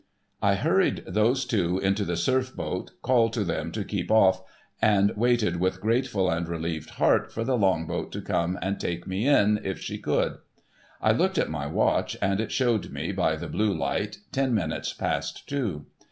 I hurried those two into the Surf boat, called to them to keep off, and waited with a grateful and relieved heart for the Long boat to come and take me in, if she could. I looked at my watch, and it showed me, by the blue light, ten minutes past two.